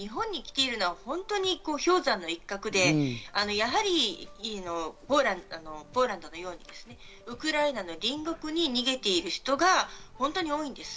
まず日本に来ているのは氷山の一角で、やはりポーランドのようにウクライナの隣国に逃げている人が本当に多いです。